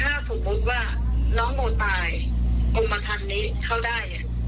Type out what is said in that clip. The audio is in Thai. ถ้าสมมุติว่าน้องโมนตายกุมทันนี้เข้าได้